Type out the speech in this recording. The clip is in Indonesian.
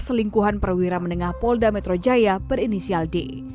selingkuhan perwira menengah polda metro jaya berinisial d